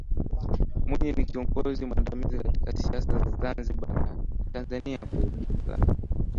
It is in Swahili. Mwinyi ni kiongozi mwandamizi katika siasa za Zanzibar na Tanzania kwa ujumla